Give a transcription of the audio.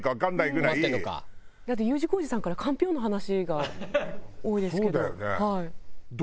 だってＵ字工事さんからかんぴょうの話が多いですけど。